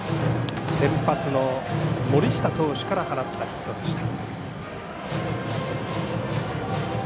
先発の森下投手から放ったヒットでした。